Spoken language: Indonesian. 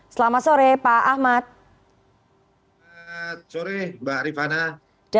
selamat sore pak ahmad